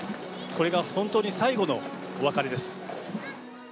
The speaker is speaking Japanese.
これが本当に最後のお別れです。